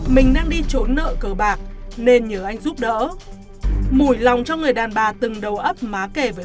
mình đang đi trốn nợ cờ bạc nên nhớ anh giúp đỡ mùi lòng cho người đàn bà từng đầu ấp má kể với